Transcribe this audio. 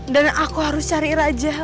dan aku harus mencari raja